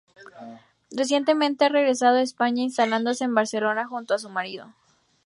Recientemente ha regresado a España, instalándose en Barcelona junto a su marido.